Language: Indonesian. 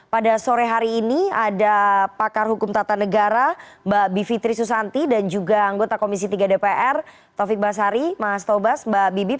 pada sore hari ini ada pakar hukum tata negara mbak bivitri susanti dan juga anggota komisi tiga dpr taufik basari mas tobas mbak bibip